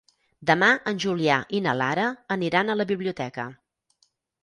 Demà en Julià i na Lara aniran a la biblioteca.